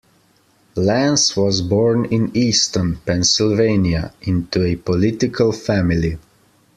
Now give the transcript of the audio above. Lance was born in Easton, Pennsylvania, into a political family.